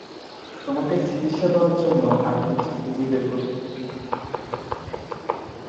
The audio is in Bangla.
তোমাকে চিকিৎসা দেওয়ার জন্য আগে কিছু খুঁজে বের করতে হবে তুমি কি বুঝতে পেরেছো?